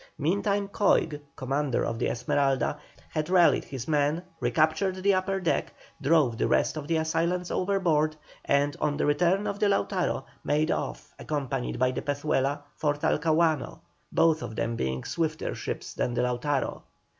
Meantime Coig, commander of the Esmeralda, had rallied his men, recaptured the upper deck, drove the rest of the assailants overboard, and on the return of the Lautaro made off, accompanied by the Pezuela, for Talcahuano, both of them being swifter ships than the Lautaro.